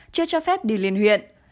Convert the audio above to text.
chưa cho phép đi liên huyện